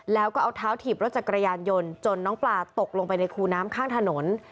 แล้วก็เอาเท้าถีบรถจักรยานยนต์จนน้องปลาตกลงไปในคูน้ำข้างถนน